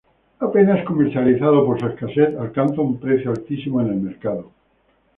Apenas comercializado por su escasez, alcanza un precio altísimo en el mercado.